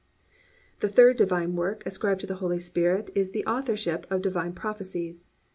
(3) _The third divine work ascribed to the Holy Spirit is the authorship of divine prophecies.